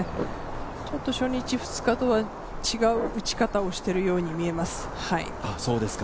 初日、２日とは違う打ち方をしているように見えます。